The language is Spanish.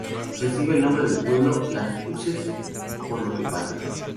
Recibe el nombre del pueblo Las Uces, por el que pasa.